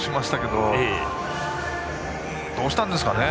どうしたんですかね。